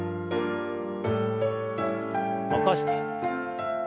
起こして。